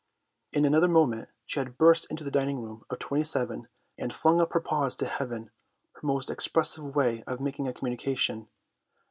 In another moment she had burst into the dining room of 27 and flung up her paws to heaven, her most expressive way of making a communication.